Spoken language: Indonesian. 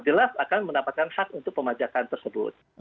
jelas akan mendapatkan hak untuk pemajakan tersebut